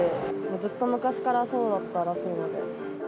ずっと昔からそうだったらしいので。